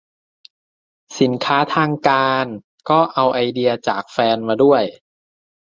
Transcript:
สินค้าทางการก็เอาไอเดียจากแฟนมาด้วย